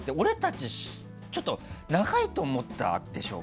ちょっと長いと思ったでしょ？